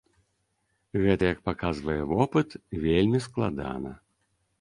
Гэта як паказвае вопыт, вельмі складана.